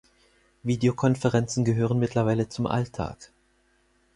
Videokonferenzen gehören mittlerweile zum Alltag.